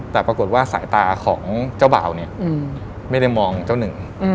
แต่ปรากฏว่าสายตาของเจ้าบ่าวเนี่ยไม่ได้มองเจ้าหนึ่ง